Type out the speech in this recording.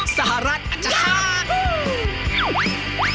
สหรัฐอาจารย์